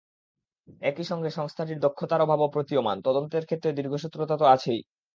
একই সঙ্গে সংস্থাটির দক্ষতার অভাবও প্রতীয়মান, তদন্তের ক্ষেত্রে দীর্ঘসূত্রতা তো আছেই।